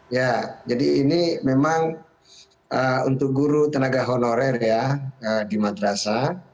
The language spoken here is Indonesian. ya jadi ini memang untuk guru tenaga honorer ya di madrasah